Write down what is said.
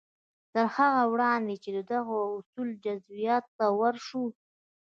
تر هغه وړاندې چې د دغو اصولو جزياتو ته ورشو.